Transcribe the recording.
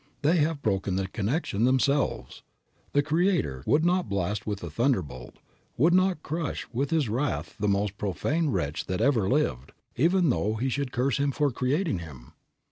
They have broken the connection themselves. The Creator would not blast with a thunderbolt, would not crush with his wrath the most profane wretch that ever lived, even though he should curse Him for creating him.